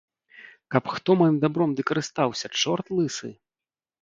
Каб хто маім дабром ды карыстаўся, чорт лысы?